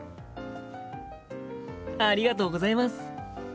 ありがとうございます！